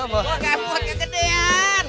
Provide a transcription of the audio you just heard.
gue gak buat kegedean